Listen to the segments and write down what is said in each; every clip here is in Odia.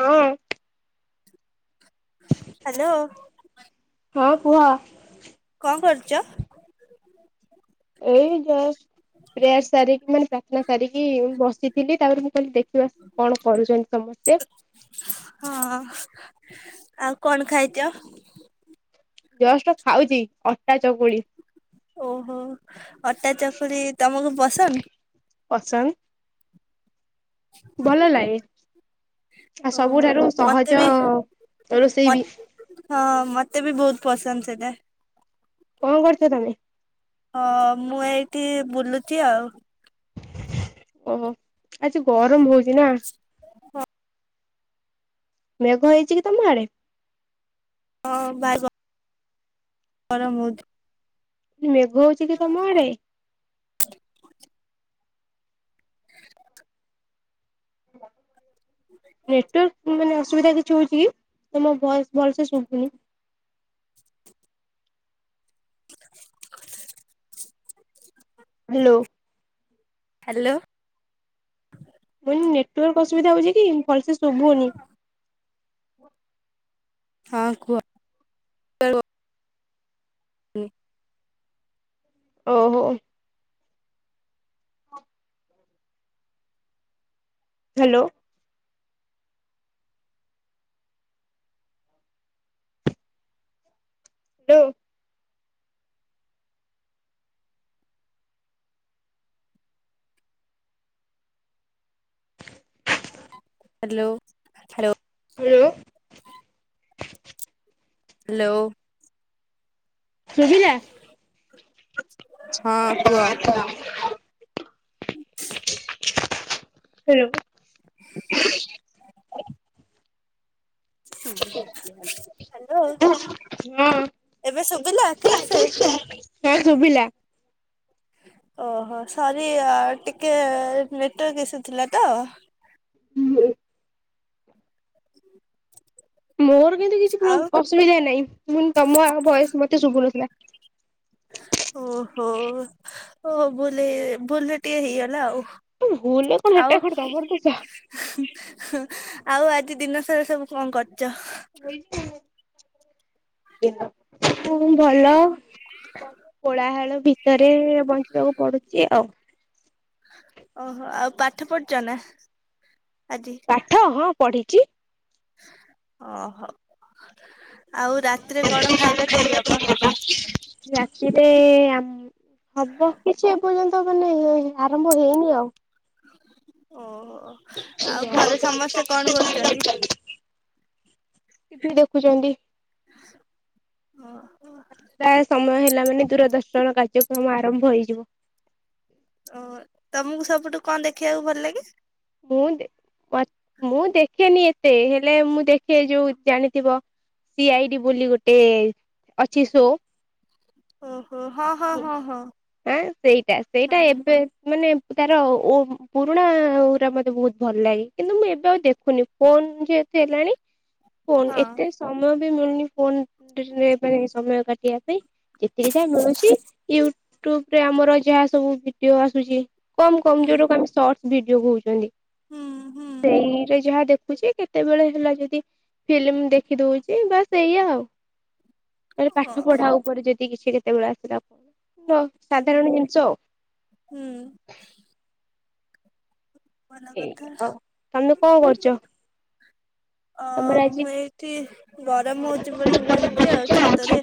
ହଁ, ହାଲୋ, ହଁ କୁହ? କଣ କରୁଚ? ଏଇ ଯଷ୍ଟ ପ୍ରେୟାର ସାରିକି ମାନେ ପ୍ରାର୍ଥନା ସାରିକି ବସିଥିଲି ତାପରେ ମୁଁ କହିଲି ଦେଖିବା କଣ କରୁଛନ୍ତି ସମସ୍ତେ। ହଁ ଆଉ କ'ଣ ଖାଇଛ? ଜଷ୍ଟ ଖାଉଛି ଅଟା ଚକୁଳି, ଓହୋ ଅଟା ଚକୁଲି ତମକୁ ପସନ୍ଦ। ପସନ୍ଦ ଭଲ ଲାଗେ ଆ ଓହୋ ସବୁଠାରୁ ମତେ ସହଜ ବି ରୋଷେଇ ମତ୍ ବି, ହଁ ମତେ ବି ବହୁତ ପସନ୍ଦ ସେଟା କଣ କରୁଛ ତମେ ହଁ ମୁଁ ଏଇଠି ବୁଲୁଚି ଆଉ। ଓହୋ ଆଜି ଗରମ ହଉଛି ନା? ହଁ ମେଘ ହେଇଚି କି ତମ ଆଡ଼େ। ହଁ ବାଏ ବ ଗରମ ବହୁତ, ନି ମେଘ ହଉଚି କି ତମ ଆଡେ ହଁ। ନେଟୱର୍କ ମାନେ ଅସୁବିଧା କିଛି ହଉଚି କି ତମ ଭଏସ୍ ଭଲସେ ଶୁଭୁନି। [inaudible] ହେଲୋ। ହ୍ୟାଲୋ। ମ ନେଟାର୍କ ଅସୁବିଧା ହଉଛି କିଲ। ସୁବୁନି। ହଁ। ହଁ କୁହ। ହ ଓହୋ। Hello. Hello. Hello hello. Hello. Hello. ସୁବିଲା। ହଁ କୁହ। ହ୍ୟାଲୋ। [inaudible] ହ୍ୟାଲୋ ହଁ ଏବେ ଶୁଭିଲା ଠିକ ସେ। ହଁ ଶୁଭିଲା। ଓହୋ ସରି ଟିକେ ନେଟାର୍କ ଇସୁ ଥିଲା ତ [unintelligible] ମୋର କିନ୍ତୁ କିଛି ଆଉ ଅସୁବିଧା ନାହିଁ ତମ ଆଉ ଭଏସ୍ ମତେ ଶୁଭୁନଥିଲା। ଓହୋ ଓ ବୁଲେ ଭୁଲ ଟିକେ ହେଇଗଲା ଆଉ। ଭୁଲ୍ ଆଉ [unintelligible] ଆଉ ଆଜି ଦିନ ସାରା ସବୁ କଣ କରୁଛ। [unintelligible] ହୁ ଭଲ। କୋଳାହାଳ ଭିତରେ ବଞ୍ଚିବାକୁ ପଡୁଛି ଆଉ। ଓହୋ ଆଉ ପାଠ ପଢୁଛ ନା। ଆଜି ପାାଠ ହଁ ପଢ଼ିଛିି। ଓହୋ। ଆଉ ରାତିରେ କଣ ଖାଇବା ତିଆରି ହବ। ରାତିରେ ହବ କିଛି ଏପର୍ଯ୍ୟନ୍ତ ମାନେ ଆରମ୍ଭ ହେଇନି ଆଉ। ଓହୋ। ଆଉ ଘରେ ସମସ୍ତେ କଣ [unintelligible] କରୁଛନ୍ତି ଟିଭି ଦେଖୁଛନ୍ତି। ହଁ। ଆା ସମୟ ହେଲା ମାନେ ଦୂରଦର୍ଶନ କାର୍ଯ୍ୟକ୍ରମ ଆରମ୍ଭ ହେଇଯିବ। ଓ ତମକୁ ସବୁଠୁ କଣ ଦେଖିବାକୁ ଭଲ ଲାଗେ। ମୁଁ ମୁଁ ଦେଖେନି ଏତେ ହେଲେ ମୁଁ ଦେଖେ ଯୋଉ ଜାଣିଥିବ ସି ଆଇଡି ବୋଲି ଗୋଟେ ଅଛି ସୋ ଓ। ହଁ ସେଇଟା ସେଇଟା ହଁ ଏବେ ମାନେ ତାର ପୁରୁଣା ପା ମତେ ବହୁତ ଭଲ ଲାଗେ କିନ୍ତୁ ମୁଁ ଏବେ ଆଉ ଦେଖୁନି ଫୋନ ଯେହେତୁ ହେଲାଣି। ଫୋନ ହଁ ଏତେ ସମୟ। Time phone. ସମୟ କାଇଁ। ପକେଇବା ପାଇଁ ଯେତିକି ଯାହା ମିଳୁଛି। ୟୁଟ୍ୟୁବରେ ଆମର ଯାହା ସବୁ ଭିଡ଼ିଓ ଆସୁଛି। କମ ହୁଁ କମଜୋର ଆମେ ସଟ୍। ଭିଡିଓ କହୁଛନ୍ତି। ହୁଁ ହୁଁ ସେଇରେ ଯାହା ଦେଖ। ଦେଖୁଛି କେତେବେଳେ ହେଲା ଯଦି ଫିଲ୍ମ ଦେଖି ଦଉଛି ବାସ ଏଇଆ ଆଉ ତାହଲେ ଓ ପାଠ ପଢା ଉପରେ ଯଦି କିଛି। ବେ ଆ ହଁ ହୁଁ ସାଧାରଣ ଜିନିଷ ଆଉ ହୁଁ ଭଲ ଏଇ ଆଉ ତମେ କଣ କଥା କରୁଛ? ତମର ଅ ଆଜି ମୁଁ ଏଇଠି ଗରମ ହଉଛି ବୋଲି ବୁଲୁଚି ଆଉ ଛାତରେ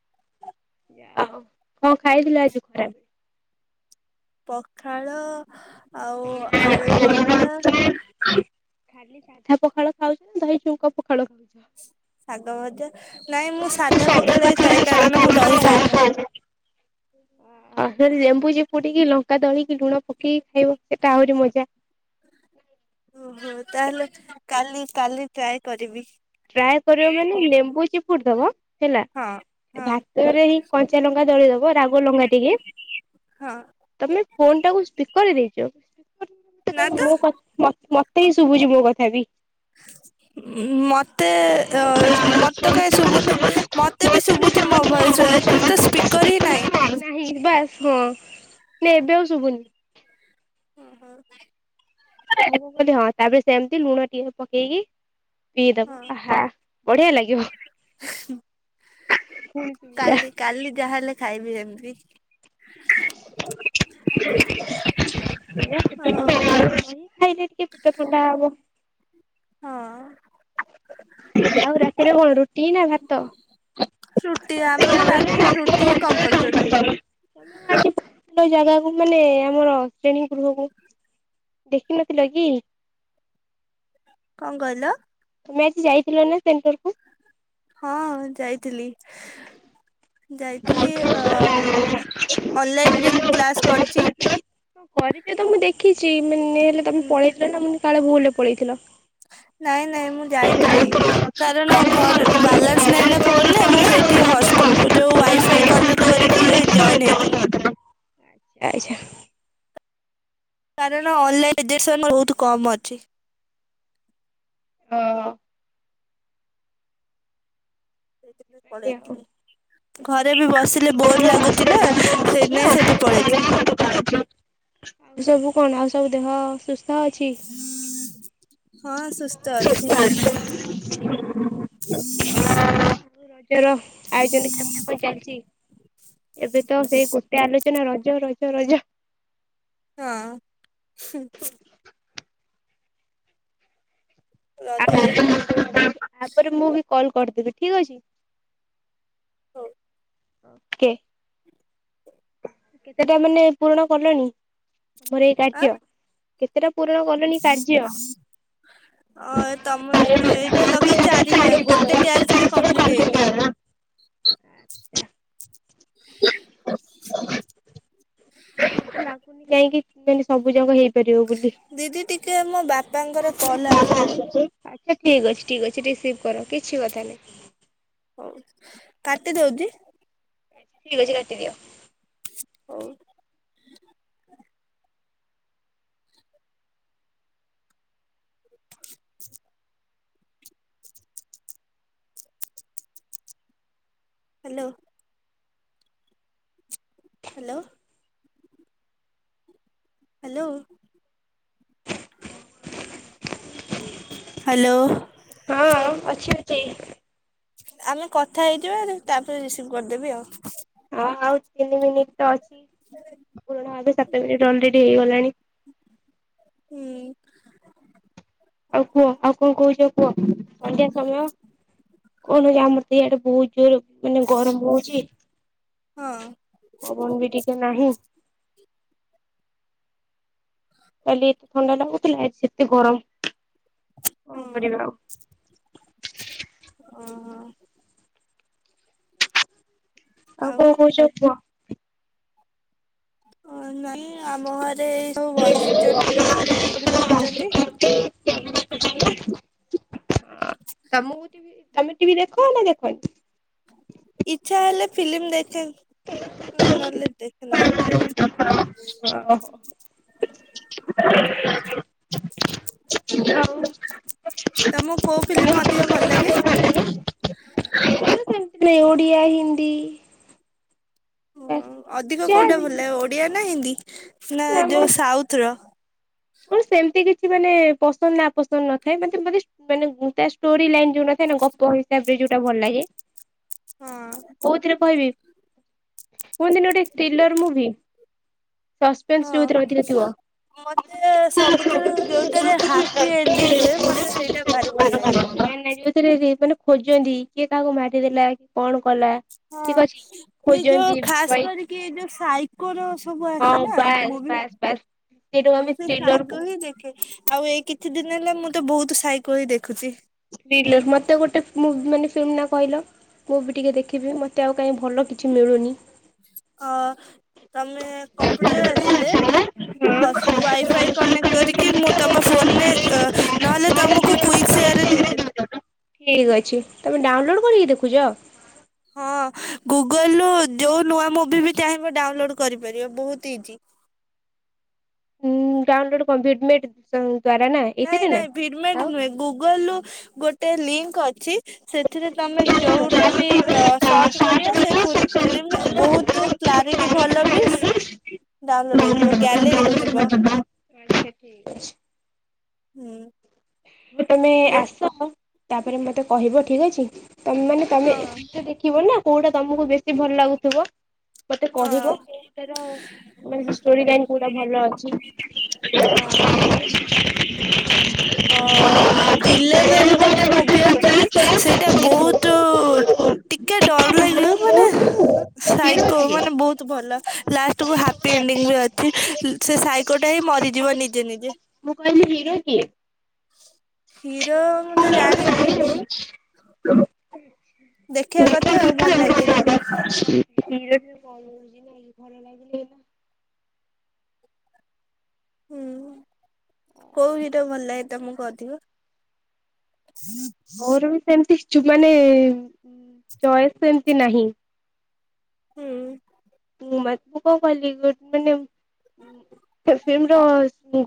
ଆଉ କଣ ଖାଇଥିଲେ ଆଜି ଖରାବେଳେ? ପଖାଳ ଆଉ ଆଳୁ ଭର୍ତା ଖାଲି ସାଧା ପଖାଳ ଖାଉଛ ନା ଦହି ଛୁଙ୍କ ପଖାଳ ଖାଉଛ? ଶାଗ ଭଜା ନାଇଁ ମୁଁ ସାଧା ପଖାଳ ହି ଖାଏ କାରଣ ମୁଁ ଦହି ଖାଏନା। ଆ ଲେମ୍ବୁ ଚିପୁଡିକି ଲଙ୍କା ଦଳକି ଲୁଣ ପକେଇକି ଖାଇବ ସେଟା ଆହୁରି ମଜା। ଓହୋ ତାହେଲେ କାଲି କାଲି ଟ୍ରାଏ କରିବି। ଟ୍ରାଏ କରିବ ମାନେ ଲେମ୍ବୁ ଚିପ ପୁଡ଼ଦବ ହେଲା ହଁ ହଁ ଭାତରେ ହି କଞ୍ଚା ଲଙ୍କା ଦଳିଦବ ରାଗ ଲଙ୍କା ଟିକେ ହଁ। ତମେ ଫୋନଟାକୁ ସ୍ପିକର ରେ ଦେଇ ନା ଚୋ ତ ମୋ ମତେ ହିଁ ଶୁଭୁଛି ମୋ କଥା। ଥାବି [inaudible] ମୋତେ ଅ ମୋତେ କାହିଁ ଶୁଭୁନି ମୋତେ ବି ଶୁଭୁଛି ମୋ ଭଏସ୍ ଏଥିରେ ତ ସ୍ପିକର୍ ହିଁ ନାହିଁ। ନାହିଁ ବାସ୍ ହଁ ନେ ଏବେ ଆଉ ଶୁଭୁନି। ହୁଁ [unintelligible] ହଁ ତାପରେ ସେମିତି ଲୁଣ ଟିକେ ପକେଇକି ହଁ ପିଇଦବ ହା ବଢ଼ିଆ ଲାଗିବ। କାଲି କାଲି ଯାହେଲେ ଖାଇବି ଯେମିତି। ଏଇଆ ପେଟ ହଉ। ଥଣ୍ଡା ହବ ଦହି [unintelligible] ଥଣ୍ଡା ହବ। ହଁ। ଆଉ ରାତିରେ କଣ ରୁଟି ନା ଭାତ? ରୁଟି ଆମର ରାତିରେ ରୁଟି ହିଁ କମ୍ପଲସରି। ଭଲ ଜାଗାକୁ ମାନେ ଆମର ଶ୍ରେଣୀ ଗୃହକୁ ଦେଖିନଥିଲ କି? କଣ କହିଲ? ତୁମେ ଆଜି ଯାଇଥିଲ ନା ସେଣ୍ଟର୍ କୁ? ହଁ ଯାଇଥିଲି। ହଁ ଯାଇଥିଲି ଅ ଅନ୍ ଲାଇନ୍ ବି କ୍ଲାସ କରଛି। କରିଛ [unintelligible] [unintelligible] ତମେ ପଳେଇଥିଲ ନା ମୁଁ କାଳେ ଭୁଲ୍ ପଳେଇଥିଲ। ନାଇଁ ନାଇଁ ମୁଁ ଯାଇଥିଲି କାରଣ ଘରେ ବାଲାନ୍ସ୍ ନାଇଁ ନା ଫୋନରେ ମୁଁ ସେଇଠି ହଷ୍ଟେଲ୍ ଯୋଉ ୱାଇଫାଇ୍ କନେକ୍ଟ କରିକି ଜଏନ ହେଇଥିଲି। ଆଚ୍ଛା କାରଣ ଅନଲାଇନ୍ [unintelligible] ବହୁତ୍ କମ୍ ଅଛି। ଅ ଆଉ ପଲେଇଥିଲି ଘରେ ବି ବସିଲେ ବୋର୍ ଲାଗୁଛି ‌ନା ସେଥିପାଇଁ ସେଠି ପଳେଇଥିଲି। ସବୁ କଣ ଆଉ ସବୁ ଦେହ ସୁସ୍ଥ। [unintelligible] ଅଛି। ସୁସ୍ଥ ଅଛି ର୍ ଆୟୋଜନ କେମତି କଣ ଚାଲିଛି ଏବେ ତ ସେଇ ଗୋଟେ ଆଲୋଚ [unintelligible] ରଜ ରଜ ରଜ। ହଁ ହୁଁ। ଆଉ ରଜ ଏଇଖୁଣି ବୋ ତାପରେ ମୁଁ ବି କଲ୍ କରିଦେବି ଠିକ୍ ଅଛି। ହଉ। କେ। କେତେଟା ମାନେ ପୂରଣ କଲେଣି? ମୋର ଏଇ ଆଁ କାର୍ଯ୍ୟ। [inaudible] ପୂରଣ କଲଣି ଅ କାର୍ଯ୍ୟ? ତମର ଏଇଟା ଲଗେଇ ଚାରିଟା ଗୋଟେ ଟ୍ୟାକ୍ସ ବି କମ୍ପ୍ଲିଟ ହେଇନି। [unintelligible] [inaudible] [inaudible] ମତେ ଲାଗୁନି କାହିଁକି ମାନେ ସବୁ ଜାକ ହେଇ ଦିଦି ଟିକେ ମୋ ବାପାଙ୍କର କଲ ଆସୁଛି। ହଉ ଠିକ୍ ଅଛି ଠିକ୍ ଅଛି ରିସିଭ୍ କର କିଛି କଥା ନାହିଁ। ହଉ କାଟି ଦଉଜି। ଆଛା ଠିକ୍ ଅଛି କାଟିଦିଅ। ହଉ। [inaudible] ହାଲୋ। ହାଲୋ। Hello - hello. ଅଛନ୍ତି ଆମେ କଥା ହେଇ ଯିବା ତାପରେ ରିସିଭ କରି ଦେବି ଆଉ। ହଁ ଆଉ ତିନି ମିନିଟ। [unintelligible] ହେଇ ଗଲାଣି। ହୁଁ। ଆଉ କୁହ ଆଉ କଣ କହୁଛ କୁହ ସନ୍ଧ୍ୟା ସମୟ କହୁନ ଆମ ସେଇ ଆଡେ ବହୁତ ଜୋର ମାନେ ଗରମ ହୋଉଚି ହଁ ପବନ ବି ଟିକେ ନାହିଁ। କାଲି ଏତେ ଥଣ୍ଡା ଲାଗୁ ଥିଲା ଆଜି ଏତେ ଗରମ। କଣ ହଁ କରିବା ଆଉ। [unintelligible] ହଁ ହଁ। ଆଉ କଣ କହୁଚ କୁହ। ହ ନାଇଁ ଏ ଆମ ଘରେ ଏଇ ସବୁ ବସିଛନ୍ତି ଟିଭି ଦେଖୁଛନ୍ତି। ଟିଭି ଦେଖୁ ଚନ୍ତି। ତମକୁ ତମେ ଟିଭି ଦେଖ ନା ଦେଖନି? ଇଚ୍ଛା ହେଲେ ଫିଲ୍ମ ଦେଖେ। ନହେଲେ ଦେଖେନା ଓହୋ [unintelligible] ଆଉ ତ ମୁଁ କୋଉଫିଲିମ୍ ଅଧିକ ଭଲ ଲାଗେ? ଓଡ଼ିଆ ହିନ୍ଦୀ ହୋଉ ବାସ୍ ହୋଉ। ଅଧିକ କୋଉଟା ଯାହାବି ଭଲ ଲାଗେ? ଆ ନା ହିନ୍ଦି ନା ଯୋଉ ସାଉଥ ର? ମୁଁ ସେମତି କିଛି କିଛି ମାନେ ପସନ୍ଦ ନା ପସନ୍ଦ ନଥାଏ ମେ ମାନେ ତା ଷ୍ଟୋରି ଲାଇନ ଯୋଉ ନଥା ଏନା ଗପ ହିସାବରେ ଯୋଉଟା ଭଲ ଲାଗେ। କୋଉଥିରେ କହିବି? କୁହନ୍ତି ନେ ଗୋଟେ ଥ୍ରିଲର୍ ମୂଭି? ସସ୍ପେନ୍ସ ହଁ। ଯୋଉ ଥିରେ ଅଧିକ ଥିବ? ମତେ ସବୁଠାରୁ ଯୋଉଟାରେ ହାପି ଏଣ୍ଡି ହୁଏ ସେଇଟା ମତେ ଭାରି ଭଲ ଲାଗେ। ନା ନା ଯୋଉଥିରେ ମାନେ ଖୋଜନ୍ତି କିଏ କାକୁ ମାରି ଦେଲା କି କଣ? କଲା ହଁ ଠିକ ଅଛି ଏଇ ଯୋଉ ଖୋଜନ୍ତି ଖାସ ବଇ କରିକି ଏଇ ଯୋଉ ସାଇକୋର ସବୁ ଆସେ ହଁ ନା ବାସ୍ ମୁଁ ବି ବାସ୍ ବାସ୍ ସେଇଟାକୁ ଆମେ ମୁଁ ସେ ଥ୍ରିଲର ସାଇକୋ ହିଁ ଦେଖେ ଆଉ ଏଇ କିଛି ଦିନ ଚନେଲେ ମୁଁ ତ ବହୁତ ସାଇକୋ ହି ଦେଖୁଛି? ପିଇଲେ ମତେ ଗୋଟେ ମୁ ମାନେ ଫିଲ୍ମ ନା କହିଲ ମୁଁ ବି ଟିକେ ଦେଖିବି ମତେ ଆଉ କାହିଁ ଭଲ କିଛି ମିଳୁନି ଅ ତମେ କମ୍ପ୍ୟୁଟର ଆସିଲେ ହଁ ହସ୍ ୱାଇଫାଇ କନେକ୍ଟ କରିକି ମୁଁ ତମ ଫୋନରେ ଏ ନହେଲେ ତମକୁ କ୍ଵିକ୍ ସେୟରେ ଦେଇଦେବି ଠିକ୍ ଅଛି ତମେ ଡାଉନଲୋଡ କରିକି ଦେଖୁଛ ହଁ ଗୁଗଲରୁୁ ଜୋଉ ନୂଆ ମୁଭି ବି ଚାହିଁବ ଡାଉନଲୋଡ୍ କରିପାରିବ ବୋହୁତ ହୀ ଇଜି ଉଁ ଡାଉନଲୋଡ କଂପ୍ଲିଟ୍ ମିଟ ଆଁ ନାଇଁ ନାଇଁ ଭିଡ୍ ମେଟ ନୁହେଁ ଗୁଗଲୁ ଗୋଟ୍ ଏ ଲିଙ୍କ ଅଛି। ସେଥିରେ ତମେ ଆଚ୍ଛା ଯୋଉଟା ବି ଠିକ୍ ଆ ସର୍ଚ୍ଚ କରିବା ସେ ଅଛି ଫିଲ୍ମ ବହୁତୁ କ୍ଲାରିଟି ଭଲ ବିଶ୍ ଡାଉନଲୋଡ ହେଇଯିବ ଗ୍ୟାଲେରୀ କୁ ଯିବ ହୁଁ। ତମେ ଯୋଉ ଆସ ତାପରେ ମତେ କହିବ ଠିକ୍ ଅଛି। ତମ୍ ମାନେ ତମେ ହଁ ଏ ସେ ଦେଖିବ ନା କୋଉଟା ତମୁକୁ ବେଶୀ ଭଲ ଲାଗୁଥିବ। ମତେ ହଁ କହିବ କୋଉଟାର ମାନେ ହିଷ୍ଟୋରି ଲାଇନ କୋଉଟା ଭଲ ଅଛି [inaudible] ହଁ। ଟେ ମୁଭି ଅଛି ସେଇଟା ବହୁତୁ ଟିକେ ଡର ଲାଗିବ ମାନେ ଥା ଇ କୋଉ ମାନେ ବହୁତ୍ ଭଲ ଲାଷ୍ଟ କୁ ହାପି ଏଣ୍ଡିଙ୍ଗ ବି ଅଛି ସେ ସାଇକୋ ଟା ହିଁ ମରିଯିବ ନିଜେ ନିଜେ ମୁଁ କହିଲି ହିରୋ କିଏ? ହିରୋ ମୁଁ ତ ଜାଣିନି ଦେଖିବା କଥା ଆଉ ଭଲ ଲାଗେ ଖ ଲାଗିଲ [inaudible] ହୁଁ ଆଚ୍ଛା। କୋଉଦିଟା ଭଲ ଲାଗେ ତମକୁ ଅଦ୍ ମୁଁ ହଁ ହଁ [inaudible] ଚୁବ୍ ମାନେ ଚଏସ୍ ଏମ୍ ତି ନାହିଁ ହୁଁ ମୁଁ ମାତ୍ ମୁ କଣ କହିଲି ମାନେ ଫିଲ୍ମ ର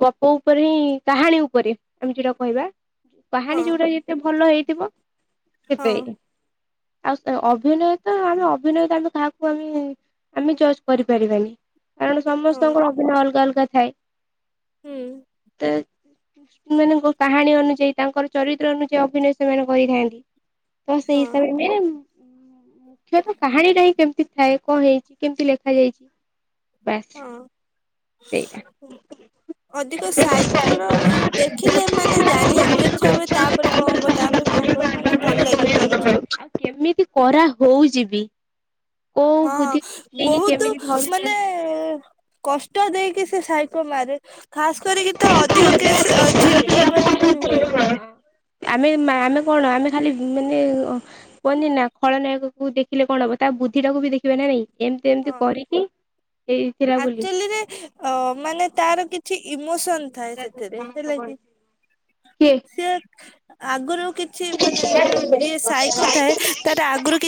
ଗପ ଉପରେ ହିଁ କାହାଣୀ ଉପରେ ଆମେ ଯୋଟା କହିବା [unintelligible] କାହାଣୀ ହଁ ଯୋଉଟା ଯେତେ ଭଲ ହେଇ ଥିବ ହଁ ସେପେ ଆଉ ସେ ଅଭିନୟ ତ ଆମେ ଅଭିନୟ ତ ଆମେ କାହାକୁ ଆମେ ଆମେ ଜଜ୍ କରିପାରିବାନି କାରଣ ହଁ ସମସ୍ତଙ୍କର ଅଭିନୟ ଅଲ୍ଗା ଅଲ୍ଗା ଥାଏ ହୁଁ ମାନଙ୍କ କାହାଣୀ ଅନୁଯାୟୀ ତାଙ୍କର ଚରିତ୍ର ଅନୁଯାୟୀ ଅଭିନୟ ସେମାନେ କରିଥାନ୍ତି ତ ହଁ ସେଇିହିସାବ ରେ ମୁଖ୍ୟତଃ କାହାଣୀ ଟା ହିଁ କେମିତି ଥାଏ କଣ ହେଇଛି କେମିତି ଲେଖା ଯାଇଛି ବସ୍ ହଁ ଅଧିକ ସାଇକର ଦେଖିଲେ ମାନେ ଜାଣିବାକୁ ଇଚ୍ଛା ହୁଏ ତାପରେ କଣ ହବ ତାପରେ କଣ ହବ ମାନେ ଭଲ ଲାଗେ ବହୁତ ଆଉ କେମିତି କରା ହଉଯିବି ହଁ ବହୁତ ମାନେ ଧରୁଛନ୍ତି। କଷ୍ଟ [unintelligible] ଦେଇକି ସେ ସାଇକ ମାରେ ଖାସ କରିକି ତ ଅଧିକ କେସ୍ ଝିଅ ପିଲାଙ୍କ ଏଥିରେ ବି ହୁଏ ଆମେ ଆମେ କଣ ଆମେ ଖାଲି ମାନେ କୁହନ୍ତି ନା ଖଳନାୟକ କୁ ଦେଖିଲେ କଣ ହବ ତା ବୁଦ୍ଧି ଟାକୁ ବି ଦେଖିବା ନା ନାଇଁ ଏମିତି ଏମିତି ହଁ କରିକି ହେଇଥିଲା ଆଚୁଲିରେ ମାନେ ତାର କିଛି ଇମୋସନ ଥାଏ ସେଥିରେ ହେଲା କି ବୋଲି କିଏ? ସେ ଆଗରୁ କିଛି ମାନେ ଯୋଉ ଯିଏ ସାଇକ ଥାଏ ତାର ଆଗରୁ କି